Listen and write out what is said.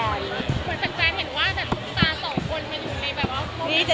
สวัสดีครับ